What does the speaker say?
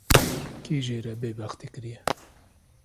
Kî jê re bêbextî kiriye